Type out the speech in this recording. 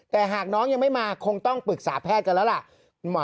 แต่หากน้องยังไม่มาคงต้องปรึกษาแพทย์กันแล้วล่ะ